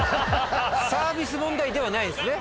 サービス問題ではないですね。